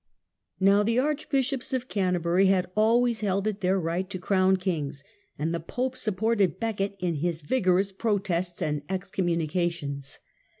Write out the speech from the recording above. Now the archbishops of Canterbury had always held it their right to crown kings, and . the pope supported Becket in his vigorous protests and excommunications.